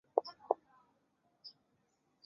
霍夫出生于马萨诸塞州的波士顿。